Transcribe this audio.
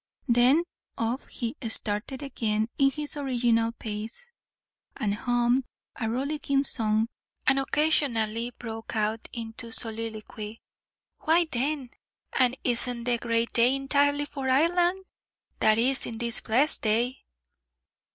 Then off he started again in his original pace, and hummed a rollicking song, and occasionally broke out into soliloquy "Why then, an' isn't it the grate day intirely for Ireland, that is in it this blessed day.